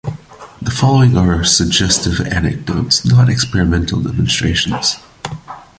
The following are highly suggestive anecdotes, not experimental demonstrations.